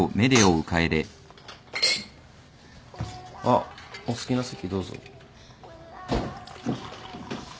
あっお好きな席どうぞ。